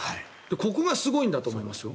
ここがすごいんだと思いますよ。